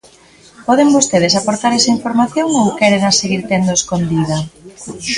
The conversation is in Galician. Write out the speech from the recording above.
¿Poden vostedes aportar esa información ou quérena seguir tendo escondida?